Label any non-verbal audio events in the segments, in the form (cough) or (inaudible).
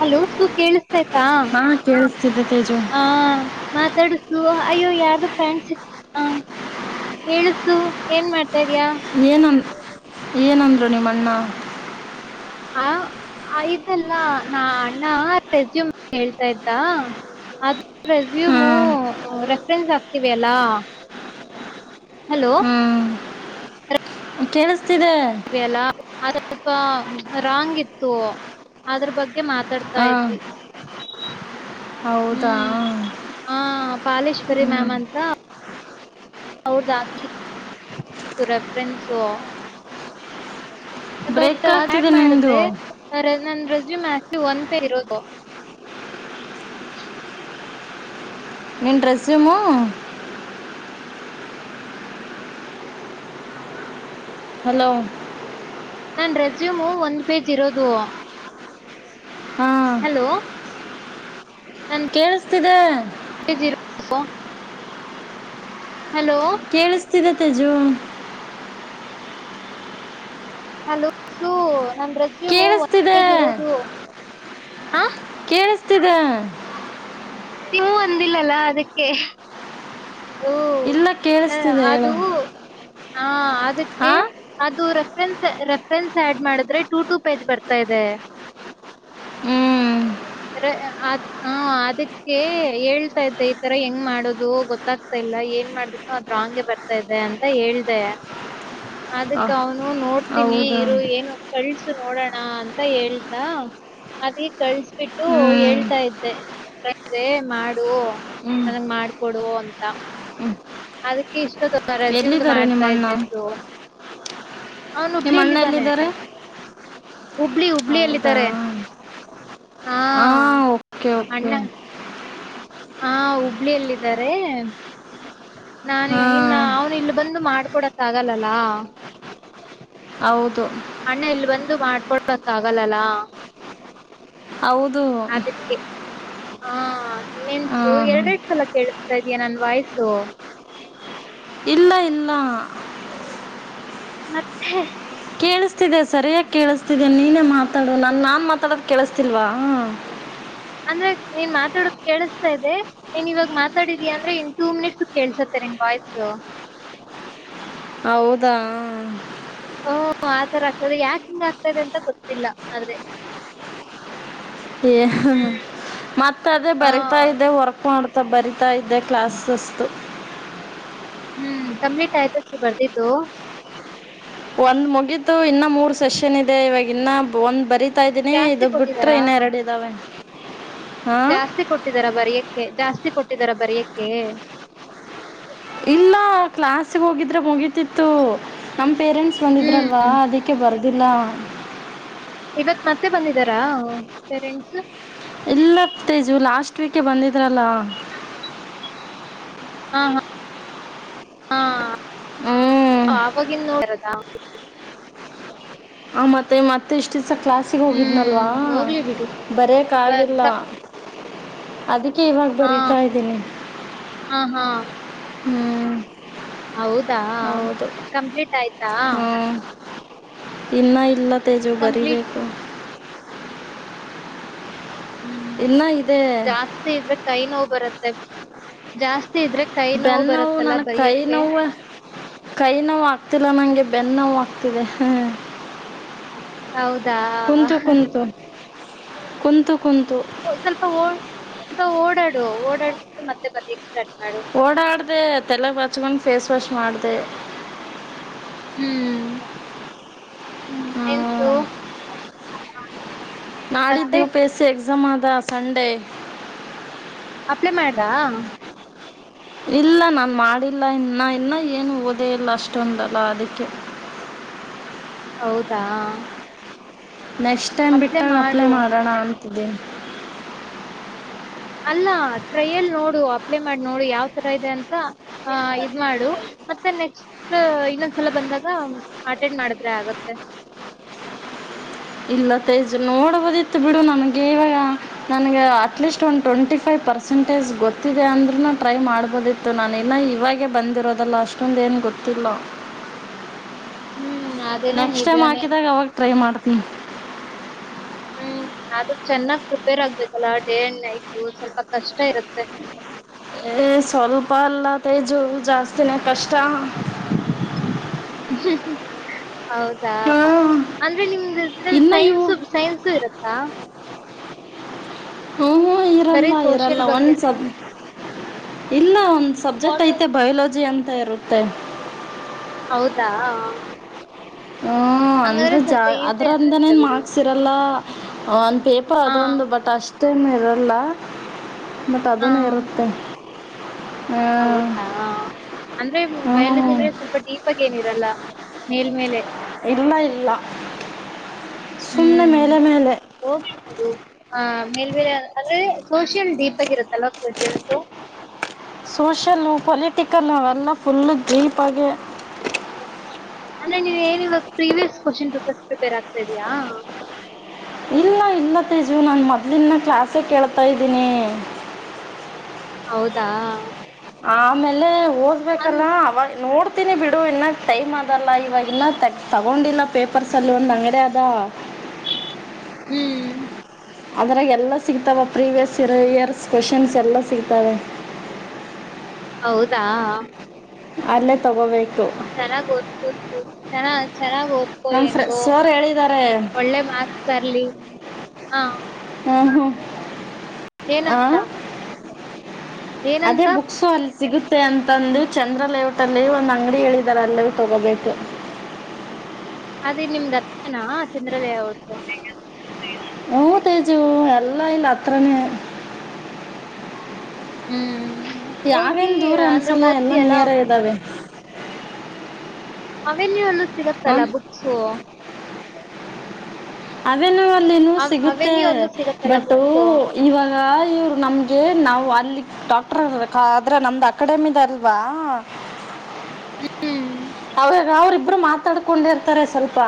Hello ಸು ಕೇಳ ಹಾ ಕಳ್ತೀ ಹ ಮಾತಾಡತು ಸು ಅಯ್ಯೋ ಯಾರ್ದು ಪ್ಯಾಂಟ್ ಹಾ ಹೇಳ ಸು ಏನ್ ಮಾಡ್ತ ಏನ್ ಏನಂದ್ರು ನಿಮ್ಮಣ್ಣ ಆ ಆಯತಲ್ಲ ನಾ ಅಣ್ಣ ರೆಸ್ಯೂಮ್ ಕೇಳ್ತಾದ್ದ ಇದ್ದಾ ಅದ್ ರೇಸುಮೋ ಹ್ಮ್ ರೆ ರಿಂಗ ಆಗತ್ತಿದೆ ಅಲ್ಲಾ ಹಲೋ ಕೇಳಸ್ತಾ ಅಲ್ಲ ಸ್ವಲ್ಪ ರಾಂಗ್ ಇತ್ತು ಅದ್ರ ಬಗ್ ಅದರ ಬಗ್ಗೆ ಮಾತಾಡ್ತಾ ಹಾ ಇದದ್ವಿ ಹು ಹೌದಾ ಹಾ ಪಾಲೇಶ್ವರಿ ಮ್ಯಾಮ್ ಅಂತ ಅವರದು ಹಾಕಿತ್ತು ರೆಫ್ರಿನ್ಸು ಬಟ್ ಬ್ರೇಕ್ ಆಡ್ ಆಗ್ತಿದೆ ನಿಮ್ದು ಮಾಡಿದ್ರೆ ಅವರ ಏನಂದ್ರು ಇದು ಮ್ಯಾಕ್ಸಿ ಒಂದಪೇ ಇರೋದು ನಿನ್ ಡ್ರೆಸಮು ಹಲೋ ನನ್ ರೆಸ್ಯೂಮು ಒಂದು ಪೇಜ್ ಇರೋದು ಹಾ ಹಲೋ ಕೇಳಿಸ್ತಿದೆ ಪೆಜು ಇರೋದು ಹಲೋ ತಿದೆ ತೇಜು ಹಲೋ ಲೋ ನನ್ ರೆಸ್ಯಮು ಒಂದ್ ಕೇಳಿಸ್ತಿದೆ ಪೇಜ್ ಇರೋದು ಆ ತ್ತಿದೆ ನೀ ಹು ಅಂದಿಲ್ಲಲ್ಲ ಅದಕ್ಕೆ ಓ ಇಲ್ಲ ತೆ ಕೇಳಿಸ್ತಿದೆ ಹೇಳು ಅದು ಹಾ ಹಾ ಅದಕ್ಕೆ ಅದು ರ ರೆಫರೆನ್ಸ್ ರಿಪೀರೆನ್ಸ್ ಆಡ್ ಮಾಡಿದ್ರೆ ಟು ಟು ಪೇಜ್ ಬರ್ತಾ ಇದೆ ಹು ರೆ ಅದ್ ಅದಕ್ಕೆ ಹೇಳ್ತಾ ಇದ್ದೆ ಈ ತರ ಹೆಂಗ್ ಮಾಡೋದು ಗೊತ್ತಾಗ್ತಾ ಇಲ ಲ್ಲ ಏನ್ ಮಾಡದ್ರೂನು ಅದು ರಾಂಗೆ ಬರ್ತಾ ಇದೆ ಅಂತ ಹೇಳ್ದ ಅದಕ್ಕ ಅಹ್, ಅವನು ನೋಡ್ತೀನಿ ಹೌದಾ ಇರು ಏನು ಕಳ್ಸು ನೋಡೋಣ ಅಂತ ಹೇಳದಾ ಅದಿ ಕಳ್ಸ್ಬಿಟ್ಟು ಹ್ಮ್ ಹೇಳ್ತಾ ಇದ್ದೆ ಪ್ರಿ ಇದ್ದದ್ರೆ ಮಾಡು ಹ್ಮ್ ನನಗ ಮಾಕೋಡು ಅಂತ ಅದಕ್ಕೆ ಇಷ್ಟ ರೆಸ್ಯೂಮದು ಎಲ್ಲಿದ್ದಾರೆ ನಿಮ್ಮ ಮಾಡ್ತಾ ಅಣ್ಣ ಇದ್ದೆ ಸೊ ಅವನು ನಿಮ್ಮ ಹುಬ್ಳಿಯಲ್ಲಿ ಅಣ್ಣ ಇದ್ದಾನೆ ಎಲ್ಲಿದ್ದಾರೆ ಹೌದಾ ಹಾ ಆ ಓಕೆ ಕೆ ಅಣ್ಣ ಹಾ ಹುಬ್ಳಿಯಲ್ಲಿದ್ದಾರೆ ನಾನ ಇನ್ನ ಹಾಂ ಅವನ ಇಲ್ಲಗ್ ಬಂದು ಮಾದಕೊಡೋಕ ಆಗಲ್ಲಲ್ಲ ಹೌದು ಅಣ್ಣಾ ಇಲ್ಲಿ ಬಂದು ಮಾದಕೊಡೋಕೆ ಆಗಲ್ಲಲ್ಲ ಹೌದು ಅದಕ್ಕೆ ಹಾ ಇನ್ನೇನ್ಸು ಹಾಂ ಎರಡ ಎರಡು ಸಲ ಕೇಳಿಸ್ತಾ ಇದ್ಯಾ ನನ್ ವಾಯ್ಸು ಇಲ್ಲಾ ಇಲ್ಲಾ ಮತ್ತೆ ಕೇಳಿಸ್ತಿದೆ ಸರಿಯಾಗಿ ಕೇಳಿಸ್ತಿದೆ ನೀನೇ ಮಾತಾಡು ನಾನು ಮಾತಾಡೋದು ಕೇಳಿಸ್ತಿಲ್ವಾ ಅಂದ್ರೆ ನೀನ್ ಮಾತಾಡುದು ಕೇಳಿಸಸ್ತಾ ಇದೆ ನೀನ್ ಇವಾಗ ಮಾತಾಡಿದ್ಯಾ ಅಂದ್ರೆ ಇನ್ ಟೂ ಮಿನಿಟ್ಸ್ ಕೇಳ್ಸತ್ತ ನಿನ್ನ ವಾಯ್ಸು ಹೌದಾ ಆ ಹು ಆತರ ಆಗ್ತದೆ ಯಾಕ ಹಿಂಗ ಆಗ್ತದೆ ಅಂತ ಗೊತ್ತಿಲ್ಲ ಆದ್ರೆ ಏ ಹ್ಹಹ್ಹ ಮತ್ತ ಅದೇ ಹಾ ಬರಿತಾ ಇದೆ ವರ್ಕ್ ಮಾಡ್ತ ಬರಿ ಹತಾ ಇದ್ದೆ ಕ್ಲಾಸ್ಸ್. (unintelligible) ಹ್ಮ್ ಕಂಪ್ಲೀಟ್ ಆಯ್ತ ಸು ಬರ್ದಿದ್ದು. ಒಂದ್ ಮುಗಿತು ಇನ್ನ ಮೂರ್ ಸೆಷನ್ ಇದೆ ಇವಾಗ ಇನ್ನ ಒಂದ್ ಬರೀ. ತ ಇದೀನಿ ಜಾಸ್ತಿ ಇದು ಬಿಟ್ರೆ ಕೊಟ್ಟಿದಾರಾ ಇನ್ನ ಎರಡು ಇದಾವೆ. ಜಾಸ್ತಿ ಕೊಟ್ಟಿದಾರ ಬರಯಕ್ಕೆ ಜಾಸ್ತಿ ಕೊಟ್ಟಿದಾರ ಬರ್ಯಕ್ಕೆ. ಇಲ್ಲ ಕ್ಲಾಸ್ಗೆ ಹೋಗಿದ್ರೆ ಮುಗೀತಿತ್ತು ನಮ. ಪೇರೆಂಟ್ಸ್ ಬಂದಿದ್ರಲ್ವಾ ಹ್ಮ್ ಅದಕ್ಕೆ ಬರೋದಿಲ್ಲ. ಇವತ್ ಮತ್ತೆ ಬಂದಿದಾರಾ ಪೇರೆಂಟ್ಸ್. ಎಲ್ಲ ತೇಜು ಲಾಸ್ಟ್ ವೀಕ್ ಹೇ ಬಂದಿದ್ರಲ್ಲ. ಹಾ ಹಾ ಹಾ ಹ್ಞೂ ಅವಗಿನ್ನು ಬರದಾ. ಆ ಮತ್ತೆ ಮತ್ತೆ ಇಷ್ಟ. ಚಿಸ ಕ್ಲಾಸಿಗೆ ಹ್ಮ್ ಹೋಗಿದ್ನಲ್ವಾ ಹೋಗ್ಲಿ ಬಿಡು ಬ- ಬರೆಕ್ಕಾಗಿಲ್ಲ ತಪ್- ಅದಕ್ಕೆ ಇವಾಗ ಹಾ ಬರಿತಾ ಇದ್ದೀನಿ. ಹಾ ಹಾ ಹ್ಮ್ ಹೌದಾ ಕಂಪ್ಲೀಟ್ ಆಯ್ತಾ. ಇನ್ನ ಇಲ್ಲ ತೇಜು ಕಂಪ್ಲೀಟ್ ಬರಿಬೇಕು. ಹ್ಮ್ ಇಲ್ಲ ಇದೆ. ಜಾಸ್ತಿ ಇದ್ರೆ ಕೈ ನೋವು ಬರುತ್ತೆ ಜಾಸ್ತಿ ಇದ್ರೆ. ಕೈ ಬೆನ್ನ ನೋವು ಬರುತ್ತಲ್ಲ ನನ ಕೈ ಬರಿಯಕ್ಕೆ. ನೋವು ಕೈ ನೋವು ಆಗ್ತಿಲ್ಲ ನಂಗೆ ಬೆ. ನ್ನೋ ಆಗ್ತಿದೆ ಹ್ಮ. ಹೌದಾ? ಕುಂತು ಕಂತ ಕಂತು. ಸ್ವಲ್ಪ ಸ್ವಲ್ಪ ಓಡಾಡುವ ಓಡಾಡ್ಬಿಟ್ಟು ಮತ್ತೆ ಬರ ಎಕ್ಸ್. ಓಡಾಡ್ದ ತಲೆ ಬಚ್ಕೊಂಡ್ ಫೇಸ್ ವಾಷ್ ಮಾಡ್ದ. ಹ್ಮ್ ಹ್ಮ. ನಾಳೆ ಇದ್ದು ಮತ್ತೆ ಯುಪಿಎಸ್ಸಿ ಎಕ್ಸಾಮ್ ಅದ ಸಂಡೆ. ಅಪ್ಲೈ ಮಾಡಿದಾ. ಇಲ್ಲ ನನ್ ಮಾಡಿಲ್ಲ ಇನ್ನ ಇನ್ನ ಏನು ಓದೆೇ ಇಲ್ಲ ಅಷ್ಟೊಂದಲ್ಲ ಅದಕ್ಕೆ. (unintelligible) ಹೌದಾ ನೆಕ್ಸ್ಟ್ ಟೈಮ್ ಬಿಟ್ಟಾಗ ಅಪ್ಲೈ ಮಾಡೋಣ ಅಂತಿದ್ದೀನಿ. ಅಲ್ಲ ಟ್ರಯಲ್ ನೋಡು ಅಪ್ಲೈ ಮಾಡಿ ನೋಡು ಯಾವ್ ತರ ಇದೆ ಅಂತ ಅ ಇದ್ ಮಾಡು. ಮತ್ತೆ ನೆಕ್ಸ್ಟ್ ಇನ್ನೊಂದ್ಸಲ ಬಂದಾಗ ಅಟೆಂಡ್ ಮಾಡಿದ್ರೆ ಆಗತ್ತೆ. (unintelligible) ಇಲ್ಲ ತೇಜ್ ನೋಡಬಹದಿತ್ತು ಬಿಡು ನನ್ಗೆ ಇವಾಗ ನನಗೆ ಅಟ್ಲೀಸ್ಟ್ ಒಂದು ಟ್ವೆಂಟಿ ಫೈವ್. ಪರ್ಸೆಂಟೇಜ್ ಗೊತ್ತಿದೆ ಅಂದ್ರೂ ಟ್ರೈ ಮಾಡ್ಬೋದಿತ್ತು ನಾನು ಇನ್ನು ಇವಾಗೇ ಬಂದಿರೋದಲ್ಲ ಅಷ್ಟೊಂದು ಏನು. ಗೊತ್ತಿಲ್ಲ. (unintelligible) ಹ್ಮ್ ಅದೇನೋ ನೆಕ್ಸ್ಟ್ ಟೈಮ್ ನಿಜಾನೇ. ಹಾಕಿದಾಗ ಅವಾಗ ಟ್ರೈ ಮಾಡ್ತೀನಿ. ಹ್ಮ್ ಅದು ಚೆನ್ನಾಗ್ ಪ್ರಿಪೇರ್ ಆಗ್ಬೇಕಲ್ಲ ಡೇ ಅಂಡ್ ನೈಟ್ ಸ್ವಲ್ಪ ಕಷ್ಟ ಇರುತ್ತೆ. ಏ ಸ್ವಲ್ಪ ಅಲ್ಲ ತೇಜು ಜಾಸ್ತಿನೇ ಕಷ್ಟ. ಹ್ಮ ಹೌದಾ ಹಾ ಅಂದ್ರೆ ನಿಮ್ದ ಇದ್ರ ಇನ್ನ ಇವು ಸೈನ್ಸ ಸೈನ್ಸು ಇರತ್ತಾ. ಹ್ಞೂ ಹೂ ಬರೀ ಇರಲ್ಲ ಸೋಷಿಯಲ್ ಇರಲ್ಲ ಒಂದು ಬಗ್ಗೆನಾ? ಸ. ಇಲ್ಲ ಒಂದ್ ಸಬ್ಜೆಕ್ಟ್ ಐತೆ ಬಯೋಲಜಿ ಅಂತ ಇರುತ್ತೆ. ಹೌದಾ ಹೂ. ಹ ಅಂದ್ರೆ ಜಾ ಈಸಿ ಅನ್ಸುತ್ತೆ ಅದರಂದನೇನು ಬಿಡು. ಮಾರ್ಕ್ಸ್ ಇರಲ್ಲ. ಪೇಪರ್ ಹಾ, ಅದೊಂದು ಬಟ್ ಅಷ್ಟೇನು ಇರಲ್ಲ ಬಟ್ ಹಾ. ಅದನ ಇರುತ್ತೆ. ಹಾಂ ಹೌದಾ ಅಂದ್ರೆ ಬಯಲ ಹ್ಞೂ ಜನ್ರ ಸ್ವಲ್ಪ ಡೀಪಾಗಿ ಏನಿರಲ್ಲ. ಮೇಲ್ ಮೇಲೆ. ಇಲ್ಲ ಇಲ್ಲ ಸುಮ್ಮನೆ ಹ್ಮ್. ಮೇಲೆ ಮೇಲೆ ಹೋಗ್ಲಿ ಆ ಮೇಲ್ೇಲೆ ಅಂದ್ರೆ ಸೋಷನ್ ಡೀಪ್ ಆಗಿರುತ್ತೆ ಸೂಷ ಪಲಿ ಿಕಲ್ಲ ನೆಲ್ಲ ಫುಲ್ ಜೀಪ್ ಆಗಿ ಅಂದ್ರೆ ನೀವ್ ಏನವಾಗ ಪ್ರೀವಿಯಸ್ ಕ್ವಶನ್ ಪೇಪರ್ಸ್ ಪ್ರಿಪೇರ್ ಆಗ್ತಾ ಇದ್ಯಾಾ ಇಲ್ಲ ಇಲ್ಲ ತೇಜು ನಾನು ಮೊದ್ಲಿನ ಕ್ಲಾಸೇ ಕೇಳ್ತಾ ಇದ್ದೀನಿ ಹೌದಾ ಆಮೇಲೆ ಅನ್ ಓದ್ಬೇಕಲ್ಲ ಅವ ನೋಡ್ ಹತೀನಿ ಬಿಡು ಇನ್ನ ಟೈಮ್ ಅದಲ್ಲ ಇವಾಗ ಇನ್ನ ತಗ ತಗೊಂಡಿಲ್ಲ ಪೇಪರ್ಸ್ಲ್ಲಿ ಒಂದು ಅಂಗಡಿ ಅದ ಹ್ಮ್ ಅದ್ರಾಗ ಎಲ್ಲ ಸಿಗ್ತಾವ ಪ್ರೀವಿಯಸ್ ಇ ಇಯರ್ಸ್ ಕ್ವೆಶನ್ಸ್ ಎಲ್ಲ ಸಿಗ್ತವೆ ಹೌದಾ ಅಲ್ಲೇ ತಗೋಬೇಕು ಚೆನ್ನಾಗ್ ಓದ್ಕೋ ಚನ್ನ ಚೆನ್ನಾಗ್ ಓದ್ಕೊ ನಮ್ಮ ಫ್ರೆ ಹೆಂಗೋ ಸರ್ ಹೇಳಿದ್ದಾರೆ ಒಳ್ಳೆ ಮಾರ್ಕ್ಸ್ ಬರ್ಲಿ ಹ ಹಹೋ ಏನಂತ ಅದೇ ಏನಂತ ಬುಕ್ಸೋ ಅಲ್ಲಿ ಸಿಗುತ್ತೆ ಮಷ್ಟೆ ಅಂತಂದು ಚಂದ್ರ ಲೇಔಟ್ ಅಲ್ಲಿ ಒಂದು ಅಂಗಡಿ ಹೇಳಿದ್ದಾರೆ ಅಲ್ಲವೂ ತಗೋಬೇಕು ಅದೇ ನಿಮ್ಗತ್ತನಾ ಚಂದ್ರದಯ ಹೊಟ್ಟು ಓ ತೇಜು ಎಲ್ಲ ಇಲ್ಲ ಅತ್ರನೇ ಹ್ಮ್ ಹೋಗಿ ದೂರ ಅಂದ್ರೆ ಅನ್ಸಲ್ಲ ಎಲ್ಲ ಓದ್ತಿಯಲ್ಲ ನಿಯರ ಇದ್ದಾವೆ ಅವೆನ್ಯೂ ಎಲ್ಲೂ ಹ ಸಿಗತ್ತಲ್ಲ ಬುಕ್ಸು ಅದನ್ನ ಸಿಗುತ್ತೆ ಅವೆನ್ಯೂ ಅಲ್ಲೂ ಸಿಗತ್ತಲ್ಲ ಬಟ್ ಬುಕ್ಸು ಇವಾಗ ಇವರು ನಮ್ಗೆ ನಾವು ಅಲ್ಲಿ ಡಾಕ್ಟರ್ ಆದ್ರೆ ನಮ್ದ್ ಅಕಾಡೆಮಿದಾರಲ್ವಾ ಹ್ಮ್ ಅವಾಗ ಅವ್ರಿಬ್ರು ಮಾತಾಡ್ಕೊಂಡಿರ್ತಾರೆ ಸ್ವಲ್ಪ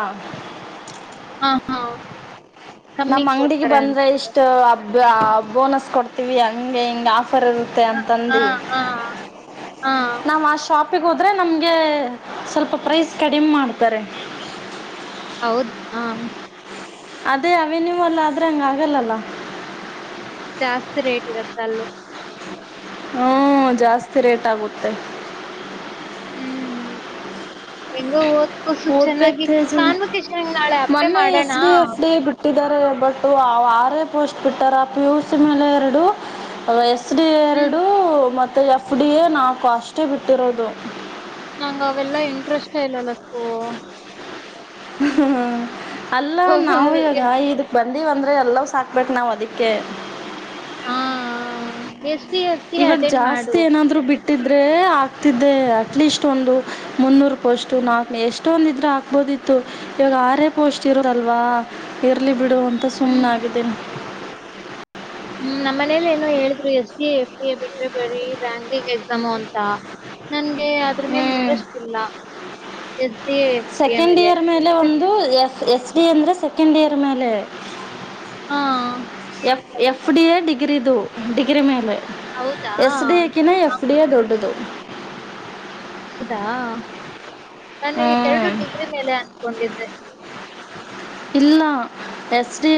ಹಾ ಹಾ ಕಮ್ಮಿ ನಮ್ ಅಂಗಡಿಗೆ ಕೊಡ್ತಾರೆ ಬಂದ್ರೆ ಅಂತ ಇಷ್ಟು ಅಬ್ ಬೋನಸ್ ಕೊಡ್ತೀವಿ ಹಂಗೆ ಹಿಂಗ ಆ ರ್ ಇರುತ್ತೆ ಹ ಹಾ ಅಂತಂದುಿ ಹಾ ಹಾ ನಾವ್ ಆ ಶಾಪ್ ಪಿಗೆ ಹೋದ್ರೆ ನಮ್ಗೆ ಸ್ವಲ್ಪ ಪ್ರೈಸ್ ಕಡಿಮ ಮಾಡ್ತಾರೆ ಹೌದ ಹ ಅದೇ ಅವೆ ನೀವಲ್ಲ ಆದ್ರೆ ಹಂಗ ಆಗಲ್ಲಲ್ಲ ಜಾಸ್ತಿ ರೇಟ್ ಇರತ್ತ ಅಲ್ಲು ಹ್ಮ ಜಾಸ್ತಿ ರೇಟ್ ಆಗುತ್ತೆ ಹ್ಮ್ ಹೆಂಗ ಓದ್ಕೂಸು ಓದ್ಬೇಕಕ್ ಚೆನ್ನಾಗಿ ತಿಳ್ಸಿನಿ ಕನ್ಬು ಕಿಶಂಗ್ ನಾಳೆ ಅಪ್ೇ ಮಾಡೋಣ ಇಟ್ಟಿದ್ದಾರೆ ಬಟ್ ಅವ ಆಾರೇ ಪೋಸ್ಟ್ ಬಿಟ್ಟಾರ ಆ ಪ ಯುಸ್ ಮೇಲೆ ಎರಡು ಎಸ್ ಡಿ ಹ್ಮ್ ಎರಡು ಮತ್ತು ಎಫ್ ಡಿ ಎ ನಾಲ್ಕು ಅಷ್ಟೇ ಬಿಟ್ಟಿರೋದು ನಂಗ ಅವೆಲ್ಲಾ ಇಂಟ್ರೆಸ್ಟ್ ಇಲ್ಲಲ್ಲ ಸೊ ಹ್ಮ್ ಅಲ್ಲ ನಾವವು ಇಾಗ ಎಸ್ ಇದಕ್ ಬ ಬಂದಿವ ಅಂದ್ರೆ ಎಲ್ಲ ಸಾಕ್ಬೇಟ್ಟು ನಾವು ಅದಕ್ಕೆ ಹಾ ಎ ಇವಾಗ... ಜಾಸ್ತಿ ಏನಾದ್ರು ಬಿಟ್ಟ ಇಟ್ಟಿದ್ರೆ.. ಆಕ್ತಿದ್ದೆ. ಅಟ್ಲೀಸ್ಟ್ ಒಂದು ಮುನ್ನೂರು ಪೋಸ್ಟ್ ನಾಲ್ಕನೋರ್ ಎಷ್ಟೊಂದ ಇದ್ರೆ ಹಾಕ್ಬಹದು ಹದಿತ್ತು ಇವಾಗ ಆರೇ ಪೋಸ್ಟ್ ಇರೋದಲ್ವಾ ಇರ್ಲಿ ಬಿಡು ಅಂತ ಸುಮ್ನೆ ಹ್ಮ್ ಆಗಿದ್ದೇನೆ (unintelligible) ಹ್ಮ್ ನಮ್ಮ ಮನೇಲಿ ಏನೋ ಹೇಳಿದ್ರು ಎಸ್ ಟ ಎಫ್ ಡಿ ಎ ಬಿಟ್ರೆ ಬರ ರ್ಯಾಂಕಿಂಗ್ ಎಕ್ಸಾಮು ಅಂತ ನಂಗೆ ಅದ್ರ ಮೇಲೆ ಹ್ಞೂ ಇಂಟ್ರೆಸ್ಟ್ ಇಲ್ಲ D F D second year ಮೇಲೆ ಒಂದು ಎಸ್ ಎಸ್ ಡಿ ಅಂದರೆ ಸೆಕೆಂಡ್ ಇಯರ್ ಮೇಲೆ ಹಾ ಎಫ್ ಎಫ್ ಡಿ ಎ ಡಿಗ್ರಿದು ಡಿಗ್ರಿ ಮೇಲೆ ಹೌದಾ ಎಸ್ ಡಿ ಎ ಕಿ ನ ಎಫಡಿಯ ದೊಡ್ಡದು ಹೌದಾ ನಾನು ಹ್ಞೂ ಎರಡು ಡಿಗ್ರಿ ಮೇಲೆ ಅನ್ಕೊಂಡಿದ್ದೆ ಇಲ್ಲ ಎಸ್ ಡಿ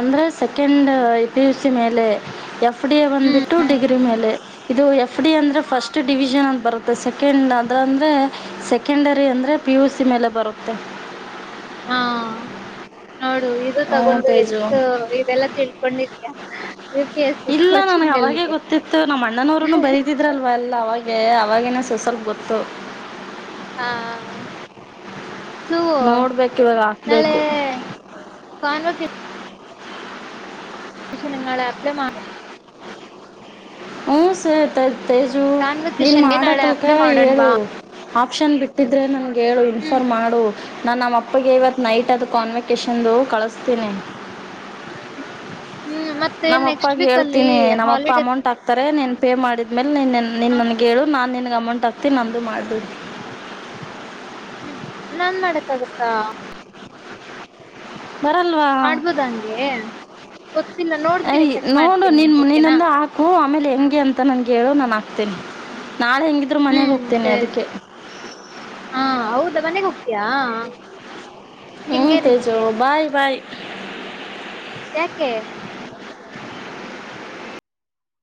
ಅಂದ್ರೆ ಸೆಕೆಂಡ್ ಪಿ ಯು ಸಿ ಮೇಲೆ ಎಫ್ ಎಫ್ ಡಿ ಎ ಬಂದ್ಬಿಟ್ಟು ಹ್ಮ್ ಡಿಗ್ರಿ ಮೇಲೆ ಇದು ಎಫ್ ಡಿ ಎ ಅಂದ್ರೆ ಫಸ್ಟ್ ಡಿವಿಷನ್ ಅಂದ ಬರುತ್ತೆ ಸೆಕೆಂಡ್ ಅದ ಅಂದ್ರೆ ಸೆಕೆಂಡರಿ ಅಂದ್ರೆ ಪಿ ಯು ಸಿ ಮೇಲೆ ಬರುತ್ತೆ ಹಾ ನೋಡು.... ಇದು ಹ್ಞೂ ತಗೊಂಡು ಎಷ್ಟ.... ತೇಜು ಇದೆಲ್ಲಾ ತಿಳ್ಕೊಂಡಿದ್ಯಾ ಯು ಪಿ ಎಸ್ ಸಿ ಇಲ್ಲ ನನ್ಗೆ ಕೋಚಿಂಗ್ ಅವಾಗೆ ಅಲ್ಲಿ ಗೊತ್ತಿತ್ತು ನಮ್ಮ ಅಣ್ಣನವ್ರನು ಬರೀತಿದ್ರಲ್ವ ಎಲ್ಲ ಅವಾಗ ಅವವಾಗಿನ ಸ ಸ್ವಲ್ಪ ಗೊತ್ತು ಹಾ.... ಹೂ.. ನೋಡ್ಬೇಕು ಇವಾಗ ನಾಳೆ... ಹಾಕ್ಬೇಕು ಪ್ಕ ಪ ನಿ ಆಪ್ಲೆ ಮಾಡ (unintelligible) ಹ್ಮ... ಸ್ ತೇಜು ನೀನ್ ಕಾನ್ವೊಕೇಶನ್ ಗೆ ನಾಳೆ ಮಾಡಕ್ಲ್ಕ ಅಪ್ಲೈ ಹೇಳು ಮಾಡೋಣವಾ ಆಪ್ಷನ್ ಬಿಟ್ಟಿದ್ರೆ ನನ್ಗೆ ಹೇಳು ಹ್ಮ್ ಇನ್ಫಾರ್ಮ್ ಮಾಡು ನಾನು ನಮ್ಮ ಅಪ್ಪಗೆ ಇವತ್ತು ನೈಟ್ ಅದು ಕಾನ್ವೆಕೇಶನ್ದು ಕಳಿಸ್ತೀನಿ ಹ್ಮ್ ಮತ್ತೆ ನೆಕ್ಸ್ಟ್ ನಮ್ಮಪ್ಪಾಗ ವೀಕ್ ಅಲ್ಲಿ ಹೇಳ್ತೀನಿ ನಮ್ಮಪ್ಪ ಹಾಲಿಡೇ ಅಮೌಂಟ್ ಹಾಕ್ತಾರೆ ನೀನ್ ಪೇ ಮಾಡಿದ್ಮೇಲೆ ನಿನ್ ಹೇಳು ನಾನ್ ನಿ ಅಮೌಂಟ್ ಹಾಕ್ತೀನಿ ನಂದುು ಮಾಡ್ದ ಹ್ಮ್ ನನ್ ಮಾಡಕಾಗತ್ತಾ ಬರಲ್ವಾ ಆಡ್ಬೋದ ಹಂಗೆ ಗೊತ್ತಿಲ್ಲ ನೋಡ್ತೀನಿ ಏಯ್ ಚೆಕ್ ನೋಡು ಮಾಡ್ತೀನಿ ನಿನ್ನ ಓಕೆನಾ ನಿನ್ನೊಂದು ಹಾಕು ಆಮೇಲೆ ಹೆಂಗೆ ಅಂತ ನನಗೆ ಹೇಳು ನಾನು ಹಕ್ತೇನಿ ನಾೆ ಹೆಂಗಿದ್ರು ಮನೆಗೆ ಹ್ಮ್ ಹೋಗ್ತೇನೆ ಸರಿ ಅದಕ್ಕೆ ಯಾ.... ಹ್ಮ್ ತೇಜು... ಬಾಯ್ ಬಾಯ್ ಯಾಕೆ (unintelligible) (inaudible)